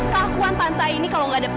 kelakuan tante ini kalau gak ada papa